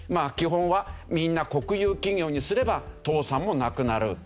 基本はみんな国有企業にすれば倒産もなくなる。